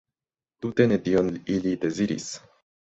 Tute ne tion ili deziris.